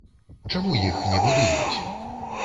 Чаму іх не будуюць?